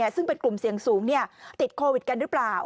ซึ่งเป็นกลุ่มเสี่ยงสูงติดโควิดกันหรือเปล่า